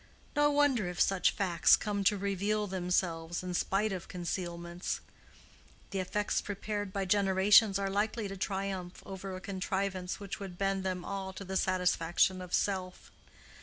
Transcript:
No wonder if such facts come to reveal themselves in spite of concealments. The effects prepared by generations are likely to triumph over a contrivance which would bend them all to the satisfaction of self.